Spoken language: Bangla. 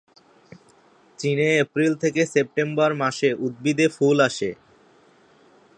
চীনে এপ্রিল থেকে সেপ্টেম্বর মাসে উদ্ভিদে ফুল আসে।